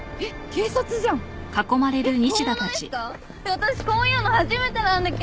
私こういうの初めてなんだけど。